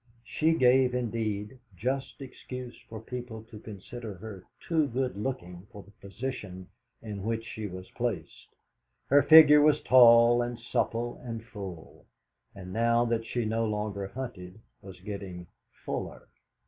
She gave, indeed, just excuse for people to consider her too good looking for the position in which she was placed. Her figure was tall and supple and full, and now that she no longer hunted was getting fuller.